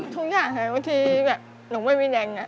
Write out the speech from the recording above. ทุกอย่างเดี๋ยวหนูไม่มีแดง